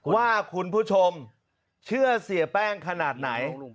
ว่าคุณผู้ชมเชื่อเสียแป้งขนาดไหน